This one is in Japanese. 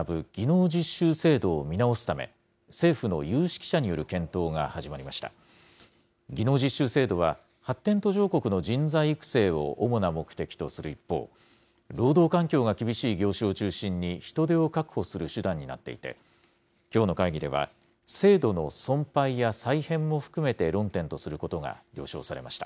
技能実習制度は、発展途上国の人材育成を主な目的とする一方、労働環境が厳しい業種を中心に人手を確保する手段になっていて、きょうの会議では、制度の存廃や再編も含めて論点とすることが了承されました。